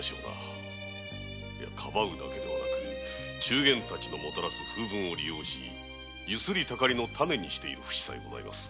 かばうだけではなく仲間たちのもたらす風聞を利用しユスリタカリのタネにしているフシさえございます。